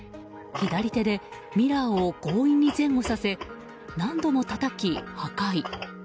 左手でミラーを強引に前後させ何度もたたき、破壊。